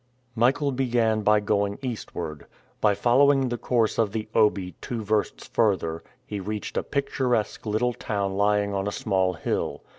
Michael began by going eastward. By following the course of the Obi two versts further, he reached a picturesque little town lying on a small hill.